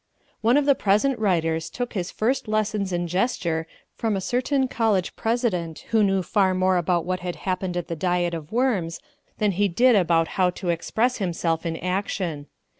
One of the present writers took his first lessons in gesture from a certain college president who knew far more about what had happened at the Diet of Worms than he did about how to express himself in action.